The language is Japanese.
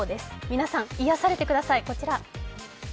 皆さん、癒やされてください。